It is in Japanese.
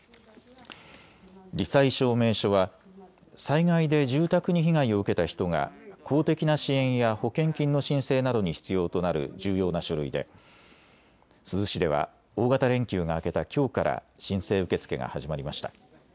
り災証明書は災害で住宅に被害を受けた人が公的な支援や保険金の申請などに必要となる重要な書類で珠洲市では大型連休が明けたきょうから申請受け付けが始まりました。